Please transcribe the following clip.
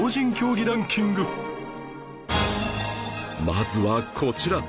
まずはこちら